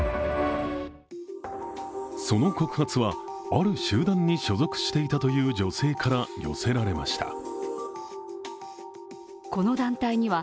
その告発はある集団に所属していたという女性から寄せられました。